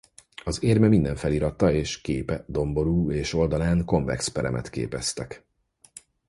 Az érme minden felirata és képe domború és oldalán konvex peremet képeztek.